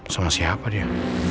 sama siapa dia